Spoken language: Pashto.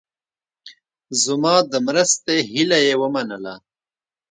زما د مرستې هیله یې ومنله.